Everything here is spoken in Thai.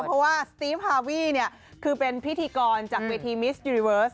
เพราะว่าสตีฟฮาวี่เนี่ยคือเป็นพิธีกรจากเวทีมิสยูริเวิร์ส